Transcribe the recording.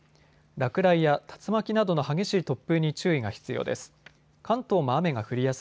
落雷や竜巻などの激しい突風に注意が必要です。